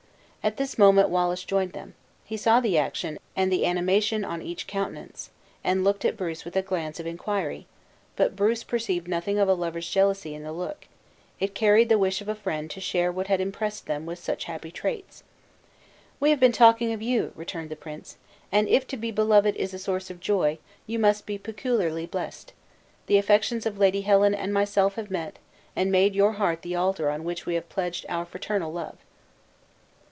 At this moment Wallace joined them. He saw the action, and the animation on each countenance, and looked at Bruce with a glance of inquiry; but Bruce perceived nothing of a lover's jealousy in the look; it carried the wish of a friend to share what had impressed them with such happy traits. "We have been talking of you," returned the prince, "and if to be beloved is a source of joy, you must be peculiarly blessed. The affections of Lady Helen and myself have met, and made your heart the altar on which we have pledged our fraternal love."